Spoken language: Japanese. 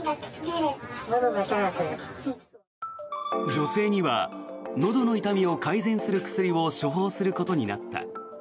女性にはのどの痛みを改善する薬を処方することになった。